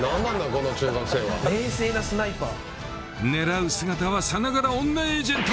この中学生は狙う姿はさながら女エージェント！